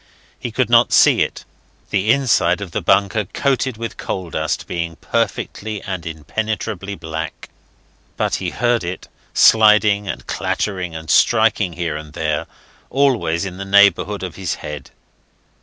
He could not see it, the inside of the bunker coated with coal dust being perfectly and impenetrably black; but he heard it sliding and clattering, and striking here and there, always in the neighbourhood of his head.